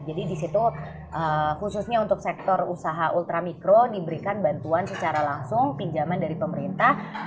jadi di situ khususnya untuk sektor usaha ultra mikro diberikan bantuan secara langsung pinjaman dari pemerintah